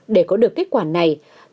để có được kết quả này